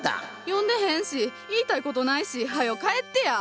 呼んでへんし言いたい事ないしはよ帰ってや！